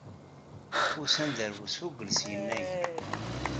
Usan-d ar wesfugel s yennayer.